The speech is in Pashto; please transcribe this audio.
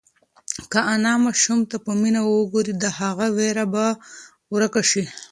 که انا ماشوم ته په مینه وگوري، د هغه وېره به ورکه شي.